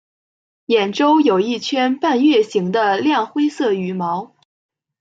眼周有一圈半月形的亮灰色羽毛。